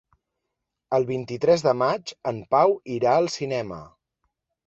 El vint-i-tres de maig en Pau irà al cinema.